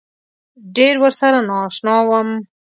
ډېر ورسره نا اشنا وم.